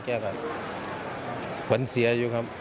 แกก็ผลเสียอยู่ครับ